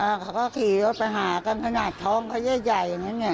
อ้าวเขาก็ขี่แล้วไปหากันขนาดท้องเขาใหญ่อย่างนั้นเนี่ย